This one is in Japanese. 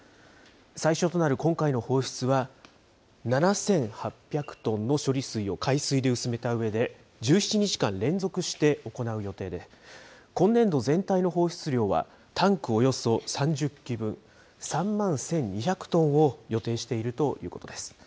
最初となる今回の放出は、７８００トンの処理水を海水で薄めたうえで、１７日間連続して行う予定で、今年度全体の放出量はタンクおよそ３０基分、３万１２００トンを予定しているということです。